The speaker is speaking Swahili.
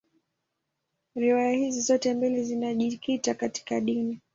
Riwaya hizi zote mbili zinajikita katika dini.